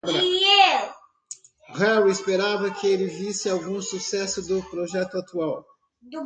Harry esperava que ele visse algum sucesso do projeto atual.